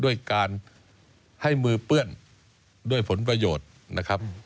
ด้วยการให้มือเปื้อนด้วยผลประโยชน์นะครับ